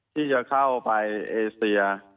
ที่จะเข้าไปเอเซีย